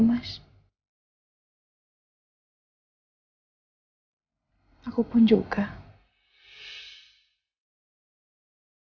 mamaku karena aku yaudah modo di tubuhmu